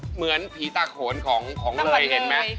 เหมือนผีตาโขนของเลยเห็นไหม